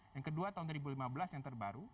yang kedua tahun dua ribu lima belas yang terbaru